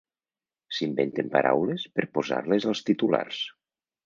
S'inventen paraules per posar-les als titulars.